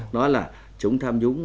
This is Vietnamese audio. nói là chống tham nhũng